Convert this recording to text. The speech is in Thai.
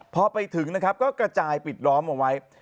พอไปถึงนะครับก็กระจายปิดล้อมเอาไว้